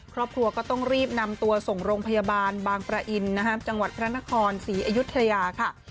ครอบครัวก็ต้องรีบนำตัวส่งโรงพยาบาลบางประอินนะครับจังหวัดพระนครศรีอยุธยาค่ะ